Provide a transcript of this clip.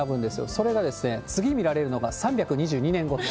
それが次見られるのが３２２年後と。